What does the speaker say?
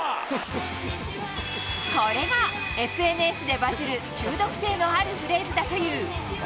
これがＳＮＳでバズる中毒性のあるフレーズだという。